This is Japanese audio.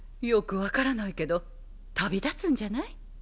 よく分からないけど旅立つんじゃない？